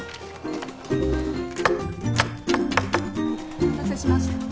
お待たせしました。